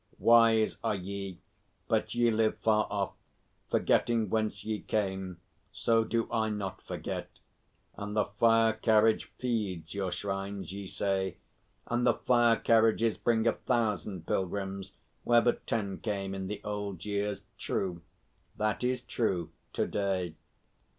Wise are ye, but ye live far off; forgetting whence ye came. So do I not forget. And the fire carriage feeds your shrines, ye say? And the fire carriages bring a thousand pilgrims where but ten came in the old years? True. That is true, to day."